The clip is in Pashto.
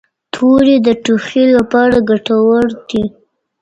توري د ټوخي لپاره ګټور دي.